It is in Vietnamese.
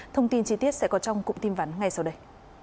thông tin chi tiết sẽ có trong cụm tin vắn ngay sau đây